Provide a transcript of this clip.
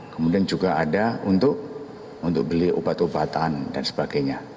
kemudian juga ada untuk beli obat obatan dan sebagainya